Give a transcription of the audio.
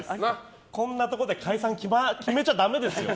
こんなとこで解散決めちゃダメですよ。